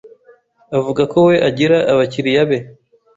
Avuga ko we agira abakiriya be